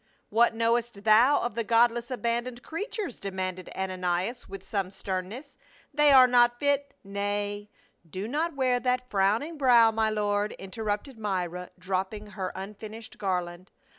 " What knowest thou of the godless abandoned creatures?" demanded Ananias wdth some sternness. " They are not fit —"" Nay, do not wear that frowning brow, my lord," interrupted Myra, dropping her unfinished garland.